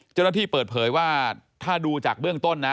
เจ้าหน้าที่เปิดเผยว่าถ้าดูจากเบื้องต้นนะ